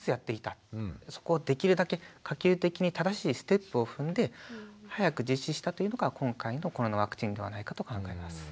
そこをできるだけ可及的に正しいステップを踏んで早く実施したというのが今回のコロナワクチンではないかと考えます。